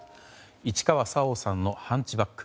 市川沙央さんの「ハンチバック」。